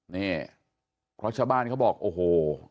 นี่เพราะชาวบ้านเขาบอกโอ้โห